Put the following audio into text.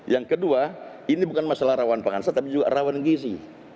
yang kedua ini bukan masalah rawan pangan saja tapi juga rawan gizi